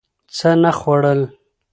څه نه خوړل